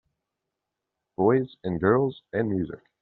Boys and girls and music.